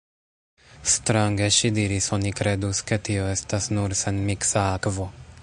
Strange, ŝi diris: oni kredus, ke tio estas nur senmiksa akvo.